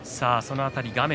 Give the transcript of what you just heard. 画面